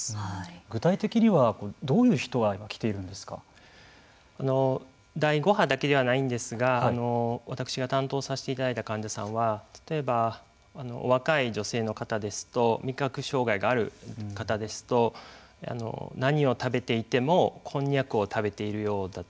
具体的にはどういう人が今第５波だけではないんですが私が担当させていただいた患者さんは例えば若い女性の方ですと味覚障害がある方ですと何を食べていてもこんにゃくを食べているようだと。